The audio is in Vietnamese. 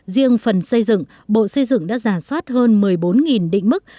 riêng phần xây dựng bộ xây dựng đã giả soát hơn một mươi bốn đỉnh bức